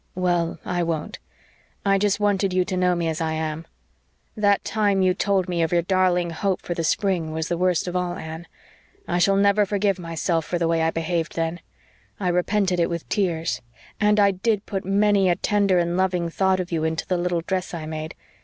"Well, I won't. I just wanted you to know me as I am. That time you told me of your darling hope for the spring was the worst of all, Anne. I shall never forgive myself for the way I behaved then. I repented it with tears. And I DID put many a tender and loving thought of you into the little dress I made.